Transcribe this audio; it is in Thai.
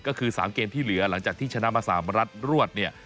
ก็คือ๓เกมที่เหลือหลังจากที่ชนะมา๓รัฐรวดเนี่ย